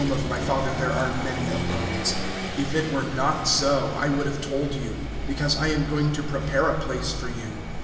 (2)In my Father's house are many mansions; if it were not so, I would have told you; because I go to prepare a place for you.